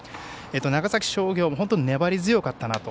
長崎商業も本当に粘り強かったなと。